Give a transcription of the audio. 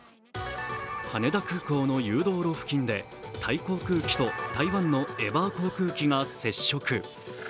羽田空港の誘導路付近でタイ空港と台湾のエバー航空機が接触。